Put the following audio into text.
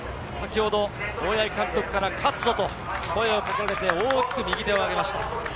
大八木監督から、勝つぞ！と声をかけられて、大きく右手を挙げました。